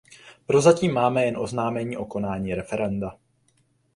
Prozatím máme jen oznámení o konání referenda.